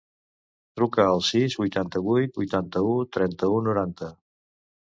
Truca al sis, vuitanta-vuit, vuitanta-u, trenta-u, noranta.